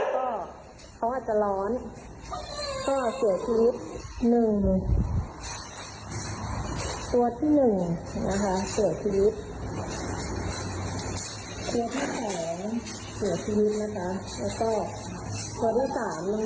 โดนตัดไฟเสียชีวิต๑ตัวนะคะตอนอยู่เป็นห้องคือมืออาลีทันลง